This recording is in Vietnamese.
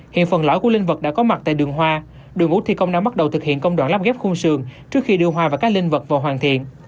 hiện phần lõi của linh vật đã có mặt tại đường hoa đội ngũ thi công đã bắt đầu thực hiện công đoạn lắp ghép khuôn sườn trước khi đưa hoa và các linh vật vào hoàn thiện